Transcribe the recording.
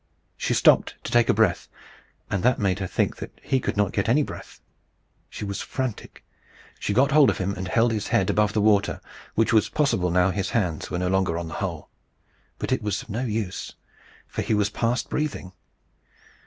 She stopped to take breath, and that made her think that he could not get any breath. She was frantic. She got hold of him, and held his head above the water, which was possible now his hands were no longer on the hole. But it was of no use, for he was past breathing.